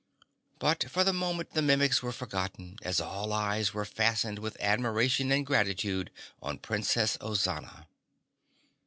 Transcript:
But for the moment the Mimics were forgotten, as all eyes were fastened with admiration and gratitude on Princess Ozana.